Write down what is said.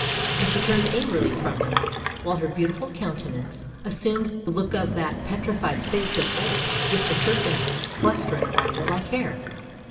" And she turned angrily from him, while her beautiful countenance assumed the look of that petrified face of old with the serpents clustering around it like hair.